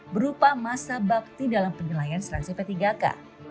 berupa masa bakti dalam penilaian seleksi p tiga k